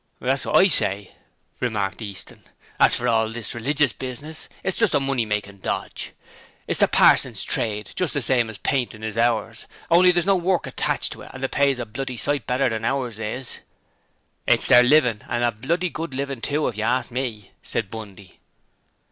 'That's what I say,' remarked Easton. 'As for all this religious business, it's just a money making dodge. It's the parson's trade, just the same as painting is ours, only there's no work attached to it and the pay's a bloody sight better than ours is.' 'It's their livin', and a bloody good livin' too, if you ask me,' said Bundy.